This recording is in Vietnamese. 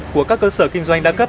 của các cơ sở kinh doanh đa cấp